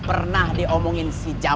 kedua jangan pernah mengingat lagi semua yang